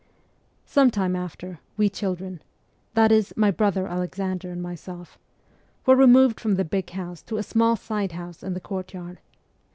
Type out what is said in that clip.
Some time after, we children that is, my brother Alexander and myself were removed from the big house to a small side house in the courtyard.